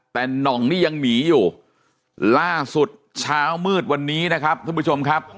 แต่หน่องนี่ยังหนีอยู่ล่าสุดเช้ามืดวันนี้นะครับท่านผู้ชมครับ